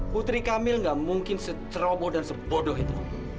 putri kamil nggak mungkin seteroboh dan sebodoh itu